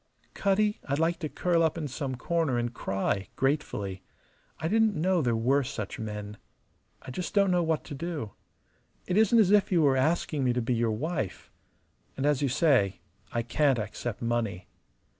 "Cutty, I'd like to curl up in some corner and cry, gratefully. I didn't know there were such men. I just don't know what to do. It isn't as if you were asking me to be your wife. And as you say, I can't accept money.